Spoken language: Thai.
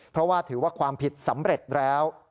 เพราะว่าถือว่าความผิดสำเร็จแล้ว